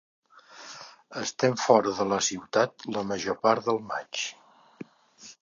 Estarem fora de la ciutat la major part de maig.